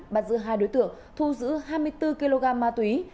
bắt giữ hai đối tượng thu giữ hai mươi bốn kg ma túy